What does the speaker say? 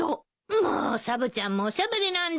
もうサブちゃんもおしゃべりなんだから。